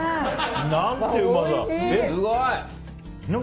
何てうまさ。